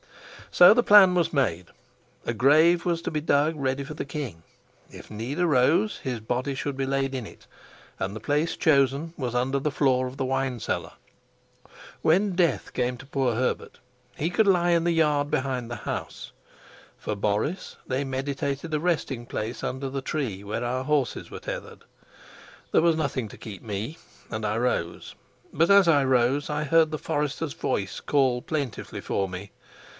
So the plan was made. A grave was to be dug ready for the king; if need arose, his body should be laid in it, and the place chosen was under the floor of the wine cellar. When death came to poor Herbert, he could lie in the yard behind the house; for Boris they meditated a resting place under the tree where our horses were tethered. There was nothing to keep me, and I rose; but as I rose, I heard the forester's voice call plaintively for me.